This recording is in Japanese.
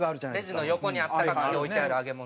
レジの横に温かくして置いてある揚げ物。